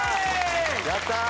やったー！